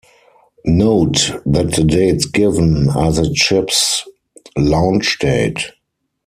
Note that the dates given are the ships' launch date.